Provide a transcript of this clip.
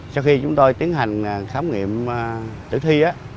sau khi chúng tôi tiến hành khám nghiệm tử thi